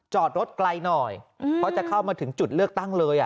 จอดรถไกลหน่อยเพราะจะเข้ามาถึงจุดเลือกตั้งเลย